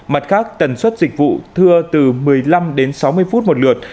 mặt khác tần suất dịch vụ thưa từ một mươi năm đến sáu mươi phút một lượt